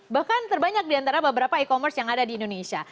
bahkan terbanyak di antara beberapa e commerce yang ada di indonesia